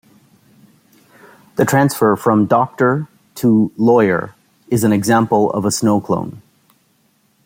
The transfer from "doctor" to "lawyer" is an example of a snowclone.